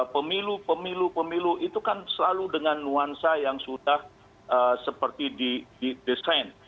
pemilu pemilu pemilu itu kan selalu dengan nuansa yang sudah seperti di desain